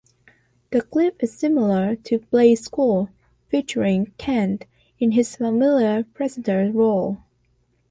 The clip is similar to "Play School", featuring Cant in his familiar presenter role.